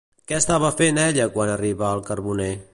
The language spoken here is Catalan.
Què estava fent ella quan arribà el carboner?